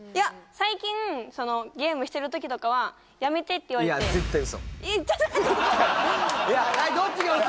最近ゲームしてるときとかは「やめて」って言われていやはいどっちが嘘？